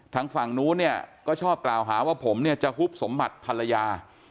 ทางฝั่งนู้นเนี่ยก็ชอบกล่าวหาว่าผมเนี่ยจะฮุบสมบัติภรรยา